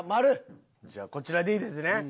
じゃあこちらでいいですね？